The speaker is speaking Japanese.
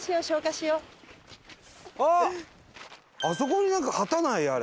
あそこになんか旗ない？